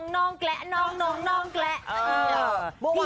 นน้องชั้นแกะ